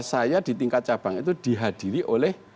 saya di tingkat cabang itu dihadiri oleh